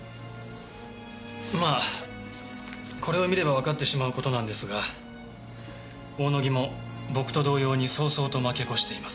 まあこれを見ればわかってしまう事なんですが大野木も僕と同様に早々と負け越しています。